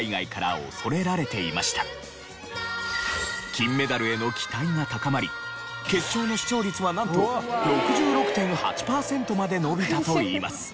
金メダルへの期待が高まり決勝の視聴率はなんと６６．８パーセントまで伸びたといいます。